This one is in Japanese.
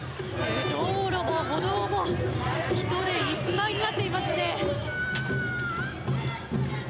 道路も歩道も人でいっぱいになっていますね。